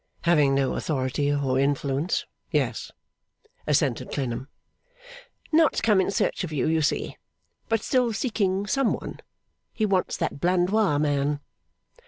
'Having no authority, or influence yes,' assented Clennam. 'Not come in search of you, you see; but still seeking some one. He wants that Blandois man.